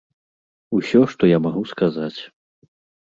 Усё, што я магу сказаць.